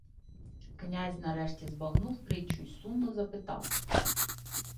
Князь нарешті збагнув притчу й сумно запитав: